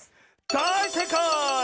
だいせいかい！